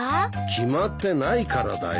決まってないからだよ。